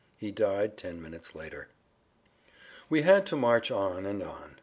He died ten minutes later. We had to march on and on.